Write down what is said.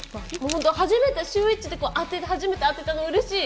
本当、初めてシューＷｈｉｃｈで当てて、初めて当てたのがうれしい。